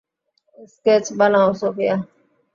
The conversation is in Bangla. স্কেচ বানাও, সোফিয়া।